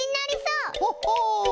ほっほう。